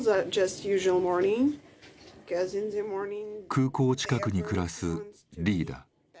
空港近くに暮らすリーダ。